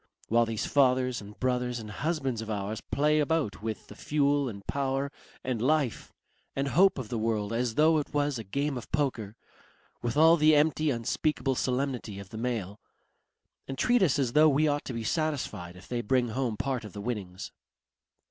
While these fathers and brothers and husbands of ours play about with the fuel and power and life and hope of the world as though it was a game of poker. With all the empty unspeakable solemnity of the male. And treat us as though we ought to be satisfied if they bring home part of the winnings.